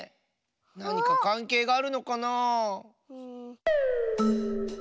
なにかかんけいがあるのかなあ？